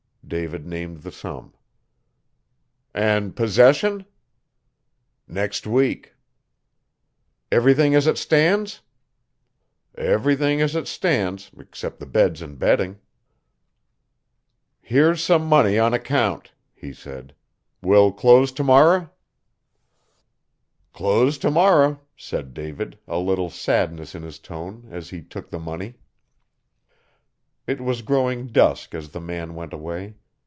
David named the sum. 'An' possession?' 'Next week' 'Everything as it stan's?' 'Everything as it stan's 'cept the beds an' bedding.' 'Here's some money on account,' he said. 'We'll close t'morrer?' 'Close t'morrer,' said David, a little sadness in his tone, as he took the money. It was growing dusk as the man went away.